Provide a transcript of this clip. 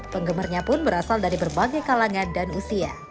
penggemarnya pun berasal dari berbagai kalangan dan usia